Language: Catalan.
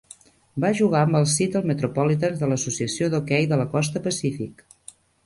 Va jugar amb els Seattle Metropolitans de l'Associació d'Hoquei de la Costa Pacífic.